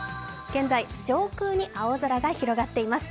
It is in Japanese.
現在、上空に青空が広がっています。